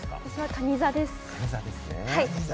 かに座です。